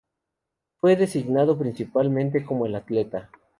Fue designado, principalmente como el atleta.